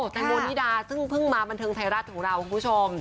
แตงโมนิดาซึ่งเพิ่งมาบันเทิงไทยรัฐของเราคุณผู้ชม